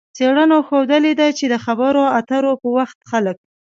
څېړنو ښودلې چې د خبرو اترو پر وخت خلک